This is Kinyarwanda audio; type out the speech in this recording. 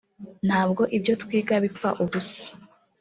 ntabwo ibyo twiga bipfa ubusa